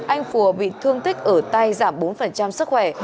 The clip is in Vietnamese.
anh phùa bị thương tích ở tay giảm bốn sức khỏe